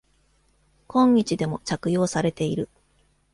今日でも着用されている。